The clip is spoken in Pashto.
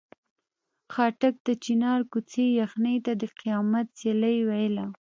خاټک د چنار کوڅې یخنۍ ته د قیامت سیلۍ ویله.